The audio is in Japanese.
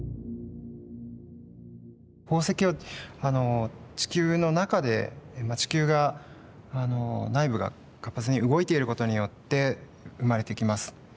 宝石は地球の中で地球が内部が活発に動いていることによって生まれてきます。